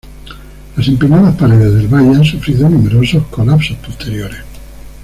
Las empinadas paredes del valle han sufrido numerosos colapsos posteriores.